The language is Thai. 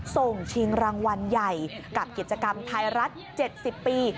ชิงรางวัลใหญ่กับกิจกรรมไทยรัฐ๗๐ปี